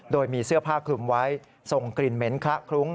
โดยมีเสื้อผ้าคลุมไว้ส่งกลิ่นเหม็นคละคลุ้ง